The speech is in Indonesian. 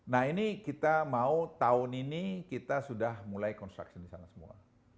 nah ini kita mau tahun ini kita sudah mulai construction di sana semua